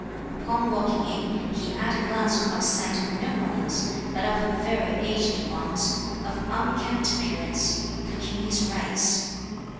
Upon walking in, he at a glance caught sight of no one else, but of a very aged bonze, of unkempt appearance, cooking his rice.